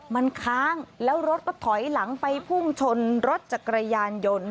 มันค้างแล้วรถก็ถอยหลังไปพุ่งชนรถจักรยานยนต์